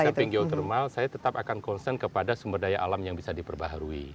di samping geotermal saya tetap akan concern kepada sumber daya alam yang bisa diperbaharui